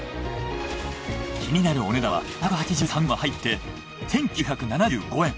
気になるお値段は２８３ｇ入って１，９７５円。